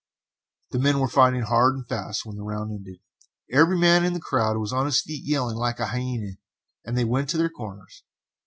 The men were fighting hard and fast when the round ended. Every man in the crowd was on his feet yelling like a hyena, as they went to their corners.